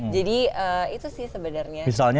jadi itu sih sebenarnya